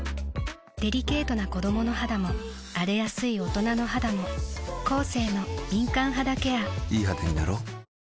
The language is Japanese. デリケートな子どもの肌も荒れやすい大人の肌もコーセーの「敏感肌ケア」いい肌になろう。